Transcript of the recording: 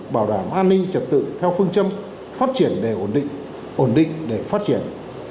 bảo đảm an ninh trật tự theo phương châm phát triển để ổn định ổn định để phát triển